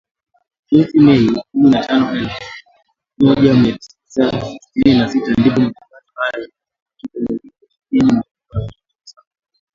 Mwezi Mei, kumi na tano elfu moja mia tisa sitini na sita , ndipo matangazo hayo yaliongezewa dakika nyingine thelathini na kuwa matangazo ya saa moja